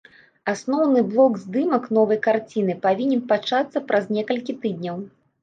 Асноўны блок здымак новай карціны павінен пачацца праз некалькі тыдняў.